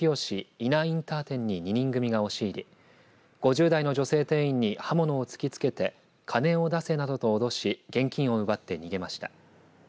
伊那インター店に２人組が押し入り５０代の女性店員に刃物を突き付けて金を出せなどと脅し現金を奪って逃げました。